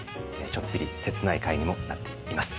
ちょっぴり切ない回にもなっています。